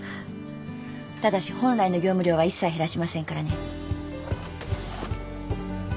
ただし本来の業務量は一切減らしませんからね。